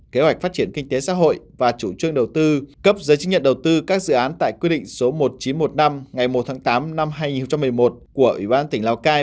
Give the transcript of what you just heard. kế hoạch phát triển kinh tế xã hội và chủ trương đầu tư cấp giấy chứng nhận đầu tư các dự án tại quy định số một nghìn chín trăm một mươi năm ngày một tháng tám năm hai nghìn một mươi một của ủy ban tỉnh lào cai